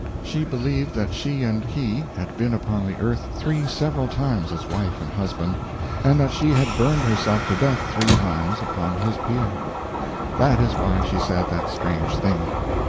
She believed that she and he had been upon the earth three several times as wife and husband, and that she had burned herself to death three times upon his pyre. That is why she said that strange thing.